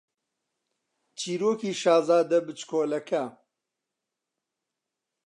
چیرۆکی شازادە بچکۆڵەکە